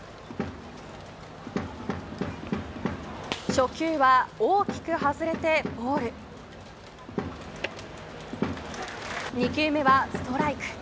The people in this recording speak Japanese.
初球は大きく外れてボール２球目はストライク。